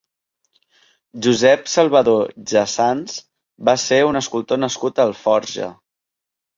Josep Salvadó Jassans va ser un escultor nascut a Alforja.